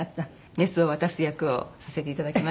メスを渡す役をさせていただきました。